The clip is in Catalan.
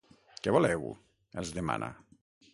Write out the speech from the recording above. Què voleu? —els demana.